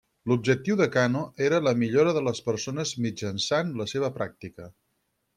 L'objectiu de Kano era la millora de les persones mitjançant la seva pràctica.